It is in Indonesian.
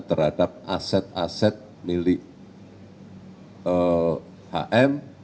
terhadap aset aset milik hm